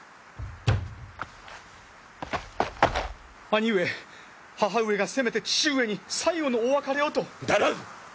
兄上母上がせめて父上に最後のお別れをと。